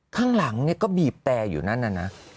ข้างหลังเนี่ยก็บีบแต่อยู่นั่นน่ะนะ